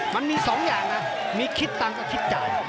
มันมี๒อย่างนะมีคิดตังค์ก็คิดจ่าย